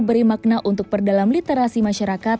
beri makna untuk perdalam literasi masyarakat